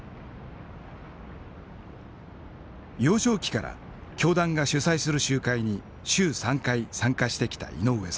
幼少期から教団が主催する集会に週３回参加してきた井上さん。